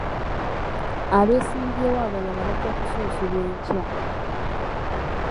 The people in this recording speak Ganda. Abeesimbyewo abalala bajja kusunsulwa enkya.